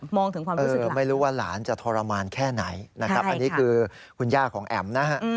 ถึงความรู้สึกไม่รู้ว่าหลานจะทรมานแค่ไหนนะครับอันนี้คือคุณย่าของแอ๋มนะฮะ